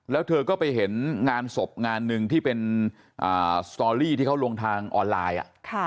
แล้วเธอก็ไปเห็นงานศพงานหนึ่งที่เป็นสตอรี่ที่เขาลงทางออนไลน์